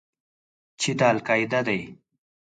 چې دا القاعده دى.